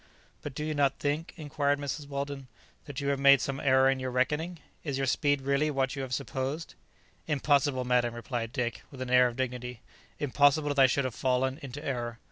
"But do you not think," inquired Mrs. Weldon, "that you have made some error in your reckoning? Is your speed really what you have supposed?" "Impossible, madam," replied Dick, with an air of dignity, "impossible that I should have fallen into error.